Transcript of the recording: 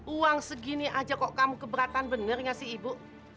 uang segini aja kok kamu keberatan bener gak sih ibu